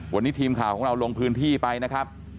วันนี้ทีมข่าวของเราลงพื้นที่ไปนะครับ